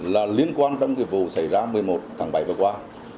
là liên quan trong cái vụ xảy ra một mươi một tháng bảy vừa qua